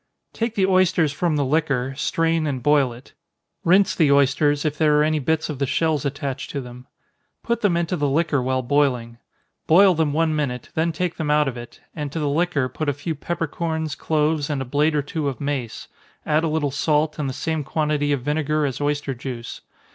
_ Take the oysters from the liquor, strain and boil it. Rinse the oysters, if there are any bits of the shells attached to them. Put them into the liquor while boiling. Boil them one minute, then take them out of it, and to the liquor put a few peppercorns, cloves, and a blade or two of mace add a little salt, and the same quantity of vinegar as oyster juice.